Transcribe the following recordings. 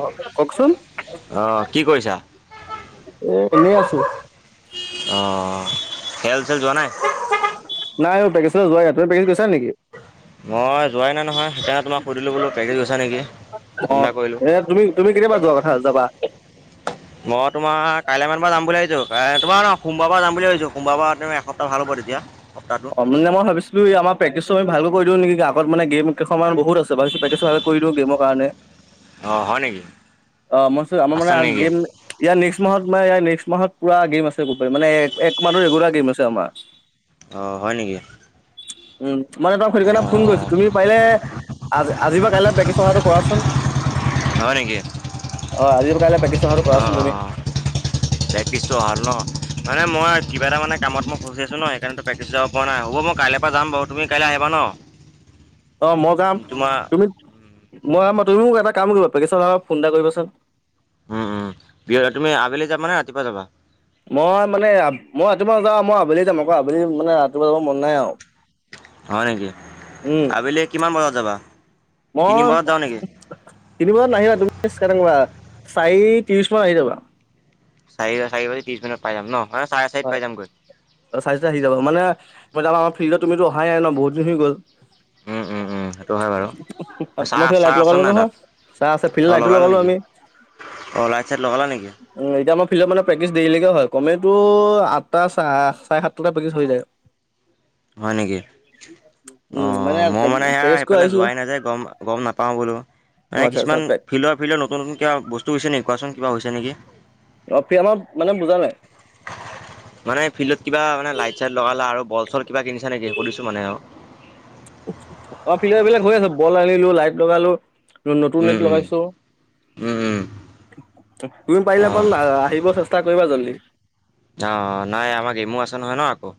অ', কওকচোন। অ', কি কৰিছা? এ এনেই আছো। অ'। খেল-চেল যোৱা নাই? নাই পেকেজ যোৱাই নাই, তুমি পেকেজ গৈছা নেকি? মই যোৱাই নাই নহয়, সেইকাৰণে তোমাক সুধিলো বোলো পেকেজ গৈছে নেকি? অ ফোন এটা কৰিলো। এ, তুমিও তুমি কিবা যোৱা কথা, যাবা। মই তোমাৰ কাইলে মান বা যাম বুলি ভাবিছো, তোমাৰ ন সোমবাৰ পৰা যাম বুলি ভাবিছো। সোমবাৰ পা তুমি এসপ্তাহ ভাল হ'ব তেতিয়া, সপ্তাহ মুন দাই মই ভাবিছিলোঁ কি, আমাৰ প্ৰেকটিচটো ভালোঁ কৰি দিওঁ নেকি, আগত মানে গেম কেইখনমান বহুত আছে, ভাল প্ৰেকটিচটো ভাল কৰি দিওঁ গেম কাৰণে। [unintelligible] নেকি অ', মই আমাৰ মানে আছা নেকি গেম ইয়াৰ নেক্সট মাহত নেক্সট মাহত পুৰা গেম আছে গোটেই, মানে এক মাহ ৰেগুলাৰ গেম আছে আমাৰ। অ', হয় নেকি? উম, মানে তোমাক সেইটো অঁ কাৰণে ফোন কৰিছো, তুমি পাৰে আজ আজি বা কাইলৈ প্ৰেক্টিছ অহা টো কৰা চোন। [inaudible] হয় নেকি। অ', আজি বা কাইলে প্ৰেক্টিছ অহাটো কৰাচোন তুমি। প্ৰেক্টিচটো হ'ল ন, মানে মই কিবা এটা মানে ফচি আছো ন সেইকাৰণ প্ৰেক্ট গুচি যাব পৰা নাই, হ'ব মই কাইলপা যাম বাৰু, তুমি কাইলে আহিবা ন? অ', মই যাম, তোমাৰ তুমি মই তুমি মোক এটা কাম কৰিবা পেকটিচত অহা আগত ফোন এটা কৰিবা চোন। উম, উম, দিয়া তুমি আবেলি যাবা নে ৰাতিপুৱা যাবা? মই মানে মই ৰাতিপুৱা যাওঁ মই আবেলি যাম আকৌ আবেলি মানে ৰাতিপুৱা যাব মন নাই আও। হয় নেকি। আবেলি কিমান বজাত যাবা তিনি মই বজাত যাও নেকি? তিনি বজাত নাহিবা, তুমি [unintelligible] চাৰি ত্ৰিশ মান আহি যাবা। চাৰি চাৰি বাজি ত্ৰিশ মিনিত পাই যাম ন, মানে চাৰে চাৰিত হয় পাই যাম গৈ। চাৰে চাৰিটাত আহি যাব, মানে মই যে আমাৰ ফিল্ডত তুমিতো অহাই নাই ন বহুদিন হৈ গ'ল। উম উম [inaudible] উম সেইটো হয় বাৰু চাহ আমাৰ ফালে চাহ লাইট আছ লগালো নাই তাত নহয়, চাহ আছে ফিল্ডত লাইটো লগালো আমি। অ', লাইট-চাইট লগালা নেকি? উম, এতিয়া আমাৰ ফিল্ডৰ মানে প্ৰেক্টিচ দেৰিলৈকে হয়, কমেওতোৰ আঠটা চাৰে চাৰে সাতটালে প্ৰেক্টিচ হৈ যায়। হয় নেকি? অ', মই মানে এইয়া প্ৰেক্টিচ কৰি সেইফালে আহিছো যোৱাই নাই যে, গম গম নাপাওঁ বোলো। অ এই, আচ্ছা কিছুমান আচ্ছা ফিল্ডৰ, ফিল্ডৰ নতুন, নতুন কিবা বস্তু হৈছে নেকি কোৱাচোন, কিবা হৈছে নেকি। [unintelligible] মানে বুজা নাই? মানে ফিল্ডত কিবা মানে লাইট-চাইট লগালা আৰু বল-চল কিবা কিনিছা নেকি সুধিছোঁ মানে আৰু। অ', ফিল্ডাত এই বিলাক হৈ আছে, বল আনিলো লাইট লগালো, নতুন উম লাইট উম লগাইছোঁ। উম, উম। তু- তুমি পাৰিলে অঁ অকণ আ- আহিব চেষ্টা কৰিবা জল্দি। অ', অ', নাই আমাৰ গ্ৰেমো আছে ন আকৌ।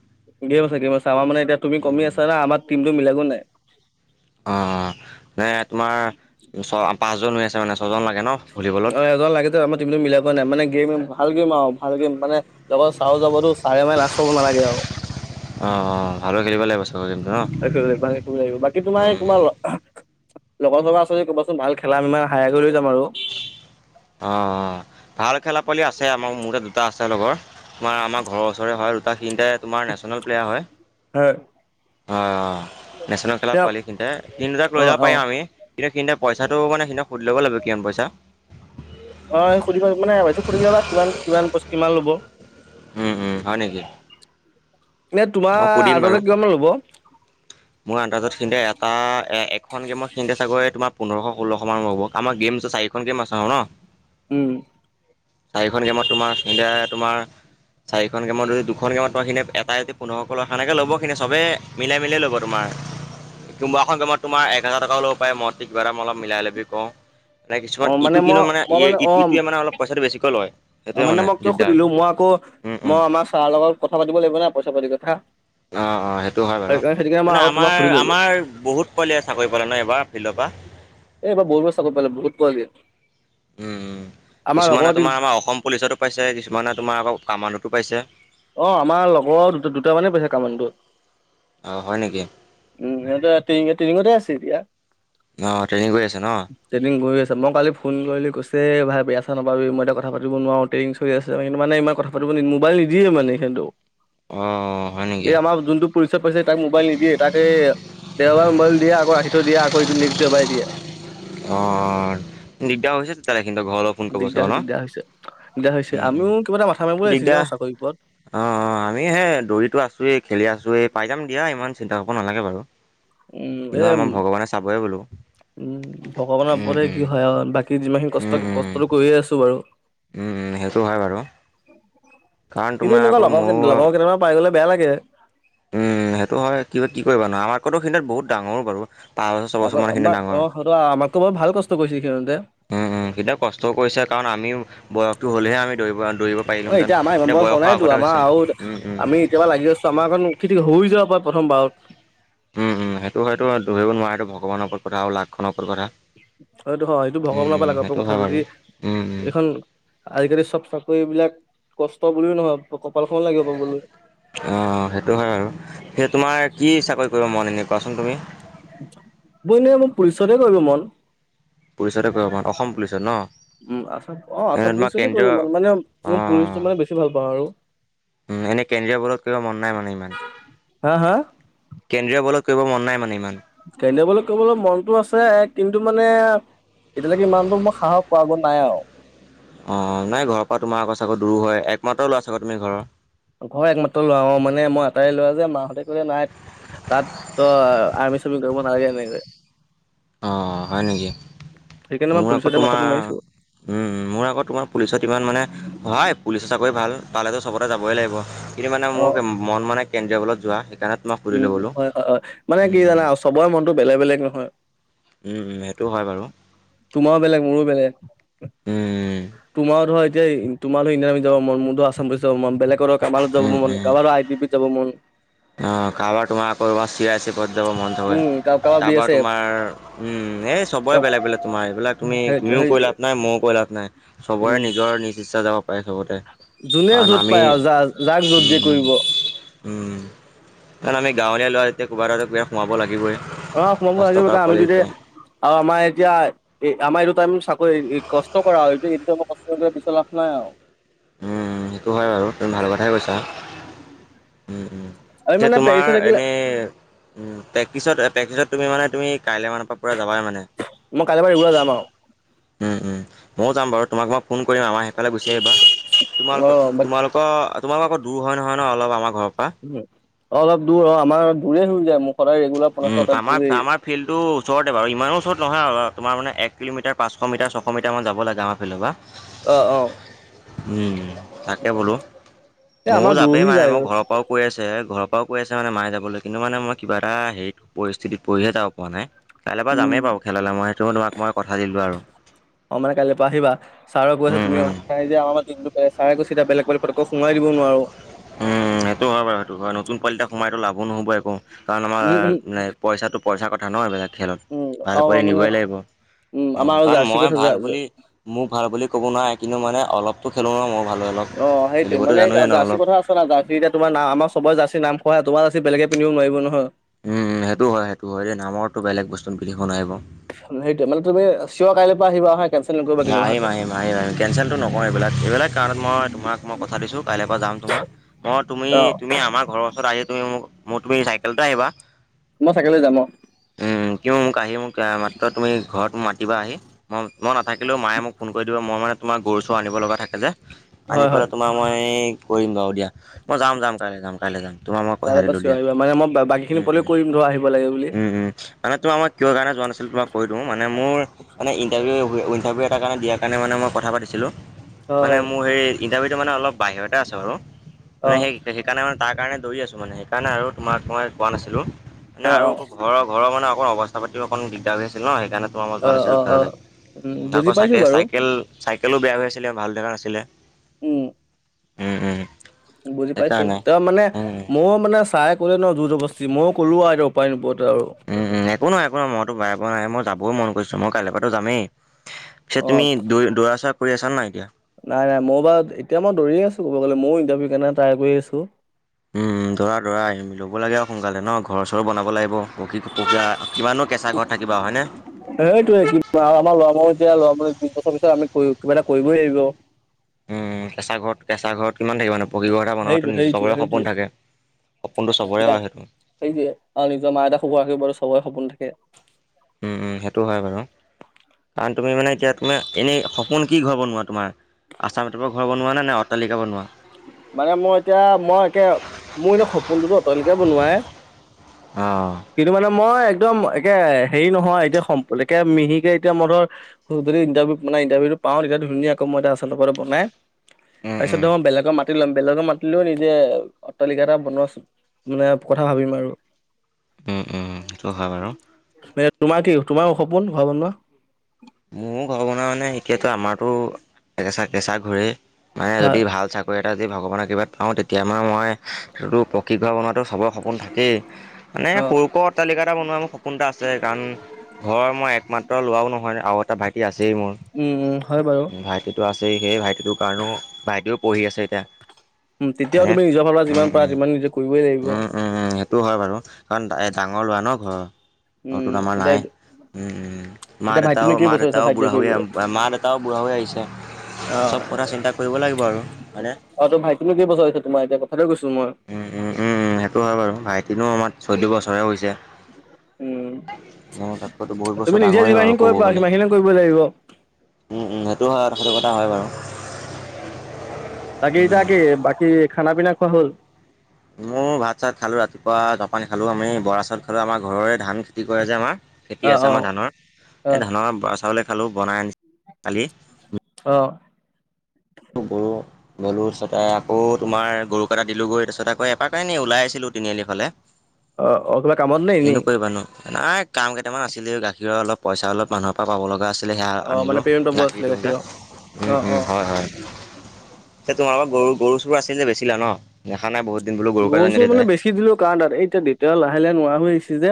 গেম আছে, গেম আছে আমাৰ মানে এতিয়া তুমি উম কমি উম আছা না, আমাৰ টিমটো মিলাগৈ নাই। অ', অ', নাই তোমাৰ ওচৰ পাঁচজন হৈ আছে মানে ছয়জন লাগে ন। ভলীবলত অ', এজন লাগে যে আমাৰ টিমতটো মিলাব পৰা নাই, মানে গেম ভাল, গেম আও ভাল গেম মানে লগত ছাৰো যাবতো, ছাৰে মানে লাজ পাব নালাগে আওঁ। অ', অ' ভালকৈ খেলিব লাগিব চবে কিন্তু ন'। খেলিব লাগিব ভালে খেলিব লাগিব। বাকী তোমাৰ এই কোনবা ল লগৰ ছগৰ আছে যদি ক'বাচোন, ভাল খেলা মেম্বাৰ হায়াৰ কৰি লৈ যাম আৰু। অ', অ' ভাল খেলা পোৱালি আছে আমাৰ, মোৰে দুটা আছে লগৰ। তোমাৰ আমাৰ ঘৰৰ ওচৰৰে হয় দুটা তিনিটাই তোমাৰ নেশ্যনেল প্লেয়াৰ হয়। হয়। অ', অ' নেশ্যনেল খেলা দিয়ক, পোৱালি তিনিটাই, তিনিতাক অ লৈ যাব অ পাৰিম আমি আমি। এতিয়া সিনতে পইচাটো মানে সিহঁতক সুধি ল'ব লাগিব কিমান পইচা। অ' এই সুধিবা মানে এইটো সুধি ল'বা কিমান কিমান পইচা কিমান ল'ব। উম, উম, হয় নেকি? এনে তোমাৰ মই সুধিম বাৰু আন্দাজত কিমান মান ল'ব? মোৰ আন্দাজত সিহঁতে এটা এ-এখন গেমত সিহঁতে চাগৈ তোমাৰ পোন্ধৰশ ষোল্লশ মান ল'ব। আমাৰ গেম হৈছে চা খন গেম আছে আৰু ন'? উম। চাৰিখন গেমত তোমাৰ সিহঁতে তোমাৰ চাৰিখন গেমৰ যদি দুখন গেমত তোৰ সিহঁতে এটাই যদি পোন্ধৰশ লয়, সেনেকে ল'ব সিহঁতে চবে মিলাই মিলি ল'ব। তোমাৰ, কোনোবা এখন গেমত তোমাৰ এক হাজাৰ টকাও ল'ব পাৰে, মই যদি কিবা এটা মই অলপ মিলাই ল'বি কওঁ। মানে অ কিছুমান, ইটো মই কিন্তু মানে মই এ, অ ইটোৱে মানে অলপ পইচাটো বেছিকৈ লয় সেইটোৱে মানে মই কিয় দিগদাৰ। সুধিলো মই আকৌ উম উম মই আমাৰ ছাৰৰ লগত কথা পাতিব লাগিব না পইচা পাতিৰ কথা। অ', অ' সেইটো হয় বাৰু। সেইকাৰণে সেইটো কাৰণে মই মানে আগত তোমাক সুধি আমাৰ ললো আমাৰ বহুত পোৱলিয়ে চাকৰি পালে ন' এইবাৰ ফিল্ডৰ পৰা? এহ এইবাৰ বহুত কেইটা চাকৰি পালে, বহুত পোৱালিয়ে। উম, উম, কিছুমানে তি তোমাৰ আমাৰ অসম পুলিচতো পাইছে, কিছুমানে তোমাৰ আকৌ কামাণ্ডতো পাইছে। অ' আমাৰ লগৰৰ দু-দুটা মানেই পাইছে কামাণ্ডত। অ' হয় নেকি? উম, সিহঁতে ট্ৰেইনিং ট্ৰেইনিংতে আছে এতিয়া। অ' ট্ৰেইনিং কৰি আছে ন'? ট্ৰেইনিং কৰি আছে। মই কালি ফোন কৰিলোঁ কৈছে ভাই বেয়া চেয়া নাপাবি মই এতিয়া কথা পাতিব নোৱাৰোঁ। ট্ৰেইনিং চলি আছে কিন্তু মানে ইমান কথা পাতিব, নিদিয়ে মোবাইল নিদিয়ে মানে সিহঁতক। অ হয় নেকি। এই আমাৰ যোনটো পুলিচত পাইছে তাক মোবাইল নিদিয়ে তাক এই দেওবাৰ মোবাইল দিয়ে আকৌ ৰাখি থৈ দিয়ে আকৌ এইটো নেক্সট দেওবাৰে দিয়ে। অ', অ'। নিদিয়া হৈছিল? তাৰে কিন্তু ঘৰৰ লগত দিগদাৰ হয়, দিগদাৰ হৈছে, দিগদাৰ হৈছে। উম, উম। আমিও কিবা এটা মাথা মাৰিব লাগিছিল দিগদাৰ ন' চাকৰিৰ ওপৰত? অ', অ' আমি সে দৌৰিতো আছোঁয়ে, খেলি আছোঁয়ে এই পাই যাম দিয়া ইমান চিন্তা কৰিব নালাগে বাৰু। উম, কিন্তু এ, আমাৰ ভগৱানে চাবই বোলো। উম, ভগৱানৰ উম, উপৰে উম, কি হয় আৰু বাক কি যিমানখিনি কষ্ট, উম, উম, কষ্টটো কৰিয়ে আছোঁ বাৰু। উম, উম, সেইটো হয় বাৰু। কাৰণ কিন্তু তোমাৰ আকৌ এনেকুৱা লগৰ ময়ো লগৰ কেইটামা পাই গ'লে বেয়া লাগে। উম, সেইটো হয় কিবা কি কৰিবা ন' আমাতকৈ সিহঁত বহুত ডাঙৰ বাৰু, পাঁচ বছৰ ছয় বছৰমান সিহঁত ডাঙৰ। ত' আমাতকো বৰ ভাল কষ্ট কৰিছিল সিহঁতে। উম, উম, সিহঁতে কষ্টও কৰিছে কাৰণ আমিও বয়সটো হ'লেহে আমি দৌৰিব দৌৰিব পাৰিলোহেঁতেন। নাই ইমান এতিয়া বয়স হোৱা বয়সৰ নাইতো, আগতে আমাৰ হৈছে। আৰু উম, উম। আমি এতিয়াবা লাগি আছোঁ আমাৰ এখন কেতিয়াবা হৈ যাব পাৰে প্ৰথম বাৰত। উম, উম, সেইটো হয়তো দূৰিব নোৱাৰা, ভগৱানৰ ওপৰত কথা আৰু লাখখনৰ ওপৰত কথা। হয়টো হয় সেইটো উম, ভগৱানৰ পৰা উম, লাখৰ পৰা সেইটো হয় কথা বাৰু। যদি উম, উম, এইখন আজিকালি চব চাকৰি বিলাক কষ্ট বুলিও নহব। লাগিব গৈলৈ। অঁ সেইটো হয় বাৰু, সেই তোমাৰ কি চাকৰি কৰিব মন এনে কোৱাচোন তুমি? মোৰ এনেই পুলিচতে কৰিব মন। পুলিচতে কৰিব মন, অসম পুলিচত ন? উম, আসাম অ এনে আচাম তোমাৰ পুলিচতে কৰিব কেন্দ্ৰীয় মানে মানে মোৰ পুলিচটো অ', মানে বেছি ভাল পাওঁ আৰু। উম, এনেই কেন্দ্ৰীয় বোৰ্ডত কৰিব মন নাই মানে ইমান? হা হা কেন্দ্ৰীয় বলত কৰিব মন নাই মানে ইমান? কেন্দ্ৰীয় বোৰলৈ ক'বলৈ মনটো আছে কিন্তু মানে, এতিয়ালৈকে ইমানটো মই সাহস কৰাগৈ নাই আও। অ নাই ঘৰৰ পৰা তোমাৰ আকো চাগৈ দূৰৰ হয়। একমাত্ৰ ল'ৰা ছাগৈ তুমি ঘৰৰ? ঘৰ একমাত্ৰ লৰা অ মানে মই এটাই লৰা যে মাহঁতে কলে নাই, তাত ত‌ই আৰ্মি চাৰ্মি কৰিব নালাগে এনেকে কয়। অঁ হয় নেকি? সেইকাৰণে মই মোৰ আক পুলিচতে তোমাৰ, মাথাটো মাৰিছো উম উম, মোৰ আক তোমাৰ পুলিচত ইমান মানে, হয়, পুলিচৰ চাকৰি ভাল পালেতো চবতে যাবই লাগিব। কিন্তু মানে অ মোৰ মন মানে কেন্দ্ৰীয়বলত যোৱা, সেইকাৰণে তোমাক সুধিলো উম বোলো। হয় হয় হয়, মানে কি উম, জানা চবৰে মনটো বেলেগ বেলেগ নহয়। উম উম, সেইটো হয় বাৰু। তোমাৰো বেলেগ মোৰো বেলেগ। উম, তোমাৰ ধৰ এতিয়া, তোমাৰ ধৰ ইণ্ডিয়ান আৰ্মিত মন, মোৰো আছাম পুলিচত যাব মন, বেলেগৰ কৰবালৈ যাব উম, মন, কাৰবাটো আই বি পি ত যাব মন। অঁ কাৰোবাৰ তোমাৰ আকৌ তোমাৰ চি আই চেপত যাব মন থাকে, উম কাৰোবাৰ তা বি পা এছ তোমাৰ,, উম, এই চবৰে এফ বেলেগ বেলেগ তোমাৰ এইবিলাক তুমি সেইটো তুমিও কৈ সেইটোৱে লাভ নাই মইয়ো কৈ লাভ নাই। চবৰে উম নিজৰ নিজ ইচ্ছা যাব পাৰে চবতে। যোনে কাৰণ য'ত আমি পায় আও যাক যাক য'ত দিয়ে কৰিব। ওম। কাৰণ আমি গাঁৱলীয়া ল'ৰা এতিয়া কিবা এটাটো কিবা সোমাব লাগিবই। অ সোমাব কষ্ট লাগিব, কৰা কাৰণ আমি পোৱালি দুয়াই, যেতিয়া আৰু আমাৰ এতিয়া এ আমাৰ এইটো টাইম চাকৰি কষ্ট কৰা হয়টো এইটো টাইমত, কষ্ট কৰি পিছত লাভ নাই আও। ওম ওম সেইটো হয় বাৰু, তুমি ভাল কথাই কৈছা। ওম ওম আমি এতিয়া মানে তোমাৰ পেৰিছ হৈ থাকিলে এনেই, উম পেক্টিছত পেক্টিছত তুমি মানে তুমি কাইলে মানৰ পা পুৰা যাবাই মানে। মই কাইল পা এই পুৰা যাম আও। ওম ওম, মইয়ো যাম বাৰু তোমাক মই ফোন কৰিম আমাৰ সেইফালে গুচি আহিবা। অ তোমালোকক বাট তোমালোক ক তোমালোক আক দূৰ হয় নহয় ন অলপ আমাৰ ঘৰৰ পৰা। উম, অলপ দূৰ অ আমাৰ দূৰে হৈ যায় মোৰ সদায় ৰেগুলাৰ, পঞ্চাশ উম, টকা তেল টাৰ্ম আপ পুৰেই টাৰ্ম আপ ফিল্টো ওচৰতে বাৰু ইমানো ওচৰত নহয় আৰু তোমাৰ মানে এককিলোমিটাৰ পাঁচশ মিটাৰ ছশ মিটাৰমান যাব লাগে আমাৰ। সেই ফালৰ পা। অ অ। উ উ তাকে বোলো, এ মইয়ো আমাৰ দূৰ যাপেই হৈ মাৰে যায় মোৰ ঘৰৰ পৰাও, কৈ আছে ঘৰৰ পৰা কৈ আছে মানে মায়ে যাবলে কিন্তু মানে মই, কিবা এটা হেৰি পৰিস্থিতিত পৰিহে যাব পৰা নাই। কাইলে পা উম যামেই বাৰু খেললে মই সেইটো তোমাক মই কথা দিলো আৰু। অ মানে কাললৈ পৰা আহিবা। ছাৰে কৈ আছে উম তুমি উম আহা নাই যে [inaudible] টিমটোত, ছাৰে কৈছে এতিয়া এ বেলেগ বেলেগ পতকে সোমাই দিব নোৱাৰো। উম সেইটো হয় বাৰু সেইটো হয়, নতুন পোৱালি এটা সোমাইতো লাভো নহ'ব একো, কাৰণ আমাৰ উম উম পইচাটো পইচা কথা ন এইবিলাক। খেলত উম ভাল আৰু কৰি মানে নিবই লাগিব, উম আমাৰ অঁ আৰু কাৰণ জাৰ্চি মই কথা জা ভাল জা বুলি মোক ভাল বুলি ক'ব নোৱাৰে কিন্তু মানে অলপতো খেলোঁ ন মই ভাল দৰে অলপ, অ সেইটোয়ে খেলিবতো মানে জানোৱে ন জাৰ্চি অলপ। কথা আছে জাৰ্চি এতিয়া তোমাৰ নাম আমাৰ চবৰে জাৰ্চি নাম হয়, তোমাৰ জাৰ্চি বেলেগে পন্ধিব নোৱাৰিব নহয়। উম সেইটো হয় সেইটো হয় এতিয়া নামৰতো বেলেগ বস্তু পিন্ধব নোৱাৰিব। সেইটোৱে মানে তুমি চিঅ কাইলৈ পৰা আহিবা হয় আহিম আহিম। আহিম আহিম কেনচেলটো নকওঁ এইবিলাক, এইবিলাক কাৰণত মই তোমাক মই কথা দিছোঁ কাইলৈ পৰা যাম তোমাৰ। মই তুমি অ তুমি আমাৰ ঘৰৰ ওচৰত আহি তুমি মোৰ তুমি চাইকেলটো আহিবা। মই চাইকেলতে যাম অঁ। উম কিও মোক আহি মোক মাত্ৰ তুমি ঘৰত মাতিবা আহি মই মই থাকিলেও মায়ে মোক ফোন কৰি দিব মই মানে তোমাৰ গৰু চৰু আনিব লগা থাকে যে, আনি হয় পেলাই হয় তোমাৰ মই কৰিম বাৰু দিয়া। মই যাম যাম কাইলে যাম কাইলে যাম তোমাৰ মই কথা তাৰে পৰা দিলো' চিয়ৰ দিয়া, আহিবা মানে মই বাকী খিনি উম্ পলেও কৰিম ধৰা আহিব লাগে বুলি উম্। উম উম, মানে তোমাৰ মই কিয় কাৰণে যোৱা নাছিলো তোমাক কৈ দিওঁ মানে মোৰ মানে ইণ্টাৰভিউ উইল ইন্টাৰভিও এটাৰ কাৰণে দিয়াৰ কাৰণে মানে মই কথা পাতিছিলোঁ, হয় মানে হয় মোৰ হেই ইণ্টাৰভিউটো মানে অলপ বাহিৰতে আছে বাৰু, অ অ মানে হেই সেইকাৰণে মানে তাৰ কাৰণে দৌৰি আছোঁ মানে সেইকাৰণে আৰু তোমাক মই কোৱা নাছিলোঁ, মানে আৰু ঘৰৰ ঘৰৰ মানে অকন অৱস্থা পাতিও অকণ দিগদাৰ হৈ আছে ন, সেইকাৰণে তোমাৰ মই অ যোৱা অ অ নাছিলোঁ অ খেললে। উম উ বুজি আকৌ পাইছো চাকে বাৰু চাইকেল চাইকেলো বেয়া হৈ আছিলে ভাল দেখা নাছিলে। উম। উম উম। বুজি পাইছো সেইকাৰণে তেওঁ মানে উম মোৰ মানে চাই কৰিলে ন জোৰ জবদস্তি ময়ো ক'লোঁ আৰু এতিয়া উপায় নোপোৱাতে আৰু। উম উম একো নহয় একো নহয় মইতো বেয়া পোৱা নাই, মই যাবই মন কৰিছো মই কাইলৈ পৰাটো যামেই। পিছে অ তুমি দৌ দৌৰা চৌৰা কৰি আছা নাই এতিয়া? নাই নাই মই বাৰ এতিয়া মই দৌৰিয়ে আছো ক'ব গ'লে ময়ো ইণ্টাৰভিউ কাৰনে ট্ৰাই কৰি আছো। উম উম দৌৰা দৌৰা ল'ব লাগে আৰু সোনকালে ন, ঘৰ চৰ বনাব লাগিব। পকী পকা কিমানো কেঁচা ঘৰত থাকিবা হয়নে। সেইটোৱে আমাৰ লৰা মানুহ যেতিয়া লৰা মানুহ [inaudible] পিছত আমি কিবা এটা কৰিবই লাগিব। উম উম কেঁচা ঘৰত কেঁচা ঘৰত কিমান থাকিব নো। পকিঘৰ এটা সেইটো বনোৱা নিজ সেইটোৱে চবৰে সেইটোৱে সপোন থাকে, সপোনটো চবৰে গাই হয় সেইটো। সেইটোৱে, আৰু নিজৰ মা দেউতা [inaudible] চবৰে সপোন থাকে। উম উম সেইটো হয় বাৰু। কাৰণ তুমি মানে এতিয়া তুমাৰ এনেই সপোন কি ঘৰ বনোৱা তোমাৰ? আসাম টাইপৰ ঘৰ বনোৱা নে নে অটালিকা বনোৱা? মানে মই এতিয়া মই একে মোৰ এনো সপোনটোতো অটালিকা বনোৱাই। অঁ। কিন্তু মানে মই একদম একে হেৰি নহয় এতিয়া সম্প একে মিহিকে এতিয়া মই ধৰ হুক যদি ইটাৰভিউটো মানে ইটাৰভিউটো পাও তেতিয়া ধুনীয়াকৈ মই এটা আসাম টাইপৰ এটা বনাই, উম তাৰপিছত উম দ বেলেগক মাটি লম বেলেগক মাটি লৈ নিজে অটালিকা এটা বনোৱা চোন মানে কথা ভাবিম আৰু। উম উম সেইটো হয় বাৰু। তোমাৰ কি তোমাৰ সপোন ঘৰ বনোৱা? মোৰ ঘৰ বনোৱা মানে এতিয়াতো, আমাৰতো কেঁচা- কেঁচা ঘৰ এ মাই হয় যদি ভাল চাকৰি এটা দিয়ে ভগৱানৰ কৃপাত পাওঁ, তেতিয়া মই- মই পকী ঘৰ বনোৱাটো চবৰে সপোন থাকেই। মানে অ সৰু ক'ত অট্টালিকা এটা বনোৱা মোৰ সপোন এটা আছে। কাৰণ ঘৰৰ মই একমাত্ৰ ল'ৰাও নহয় ন। আৰু এটা ভাইটি আছেই মোৰ। উম, হয় বাৰু। ভাইটিটো আছে, সেই ভাইটিটোৰ কাৰণেও ভাইটিও পঢ়ি আছে এতিয়া। উম, তেতিয়াও হয়নে তুমি নিজৰ ফালৰ উম পৰা উম যিমান নিজে কৰিবই লাগিব। উম উম, উম, সেইটোও হয় বাৰু। কাৰণ ডাঙৰ ল'ৰা ঘৰৰ উম, ঘৰটোত আমাৰ এতীয়া নাই এইটো মা- দেউতা, মা হৈছে দেউতাও ভাইটিয়ে কৰিবলৈ বুঢ়া হৈ আহিছে। অ চব কথা চিন্তা কৰিব লাগিব আৰু মানে। অ, তোৰ ভাইটি কেই বছৰ হৈছে? তোমাৰ এতিয়া কথাও কৈছোঁ মই। উম- উম- উম- উম, সেইটো হয় বাৰু, ভাইটিনো আমাৰ চৈধ্য বছৰে হৈছে। উম মই তাতকৈ বহুত তুমি বছৰ নিজে ডাঙৰেই বাৰু যিমানখিনি কৰিব ক'ব পাৰা গ'লে। সিমানখিনি কৰিব লাগিব উম- উম, সেইটো হয়, সেইটো কথা হয় বাৰু। তাকে- তাকে বাকী খানা পিনা খোৱা হ'ল? মোৰ ভাত- চাত খালোঁ, ৰাতিপুৱা জলপান খালোঁ। আমি বৰা চাউল খালোঁ, আমাৰ ঘৰৰে ধান। খেতি কৰে যে আমাৰ, খেতি অ আছে অ আমাৰ ধানৰ, এই ধানৰ বৰা চাউলে খালোঁ বনাই আনি খালি অ। বাৰো। গ'লো তাৰপিছতে আকৌ তোমাৰ গৰু কেইটা দিলোগৈ। তাৰপিছত আকৌ এপাক এনেই ওলাই আহিছিলোঁ, তিনিআলি ফালে। উম। অ- অ, কিবা কামত নে, এনে? নাই কাম কেইটামান আছিলে, গাখীৰৰ অলপ পইচা অলপ, মানুহৰ পৰা পাব লগা আছিল। সেইয়া অ মানে আনিলোঁ পেমেণ্ট পাব গাখীৰ আছিলে দিওঁ যে। গাখীৰৰ অ উম- উম, অ হয়- হয়। যে তোমাৰলোকৰ গৰু- গৰু- চৰু আছিল যে বেছিলা ন? দেখা নাই বহুত দিন বোলো গৰু গাইজনি তাই। কাৰ তাত, এতিয়া দিগদাৰ লাহে- লাহে নোৱাৰা হৈ আহিছে যে।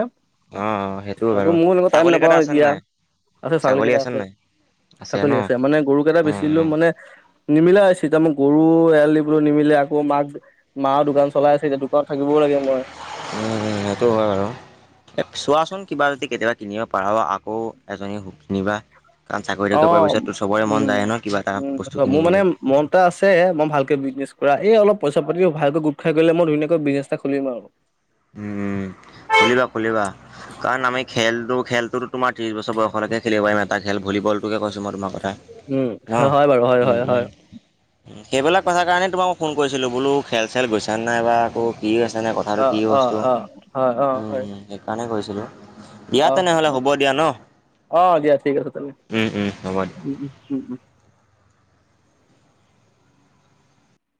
অ অ সেইটো তাত বাৰু এ, মইও সেইনেকে টাইম ছাগলী কেইটা নাপাও আছে নে এতিয়া, নাই? আছে ছাগলী কেইটা আছে। ন ছাগলী অ আছে, মানে গৰুকেইটা অ বেচি দিলোঁ মানে নিমিলা হৈছে। এতিয়া গৰু এৰাল দিব, নিমিলে আকৌ মাক মা দোকান চলাই আছে এতিয়া, দোকানত থাকিবও লাগে মই। উম, সেইটো হয় বাৰু। চোৱাচোন কিবা যদি কেতিয়াবা কিনিব পাৰা আকৌ এজনী কিনিবা। কাৰণ চাকৰি অ তাকৰি পোৱাৰ পিছত চবৰে উম মন যায় ন, কিবা এটা উম বস্তু মোৰ মানে কিনিবলৈ। মন এটা আছে। মই ভালকে বিজনেছ কৰা এই অলপ পইচা পাতি ভালকৈ গোট খাই গলে মই ধুনীয়াকৈ বিজনেছ এটা খুলিম আৰু। উম, খুলি লোৱা, খুলি লোৱা, কাৰণ আমি খেলটো- খেলটোৰ তোমাৰ ত্ৰিশ বছৰ বয়সলৈ খেলিব পাৰি এটা খেল। ভলীবলটোকে কৈছোঁ, তোমাৰ কথা। উম, ন? হয় বাৰু, হয়- উম, হয়- হয়। উম। সেইবিলাক কথাৰ কাৰণে তোমাক মই ফোন কৰিছিলোঁ। বোলো খেল- চেল গৈছা নাই বা আকৌ কি হৈছে নাই কথা। অ কি অ বস্তু হয়? অ হয় অ উম, হয় সেইকাৰণেই কৈছিলোঁ। দিয়া তেনেহ'লে হ'ব দিয়া ন। অ, দিয়া ঠিক আছে, তেনেহ'লে উম, উম, হ'ব। উম - উম - উম।